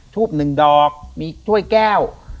ทูบหนึ่งดอกมีถ้วยแก้ว